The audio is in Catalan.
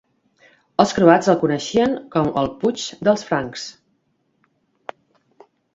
Els croats el coneixien com el "Puig dels Francs".